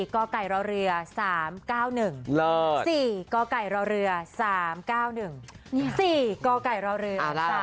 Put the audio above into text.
๓๙๑๔กรรไกรเหลือ๓๙๑